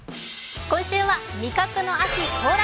今週は「味覚の秋到来！